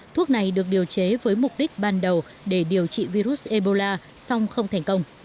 thuốc này được điều chế với mục đích ban đầu để điều trị virus ebola song không thành công